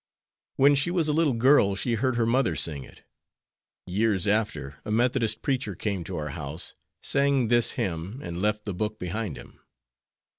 "When she was a little girl she heard her mother sing it. Years after, a Methodist preacher came to our house, sang this hymn, and left the book behind him.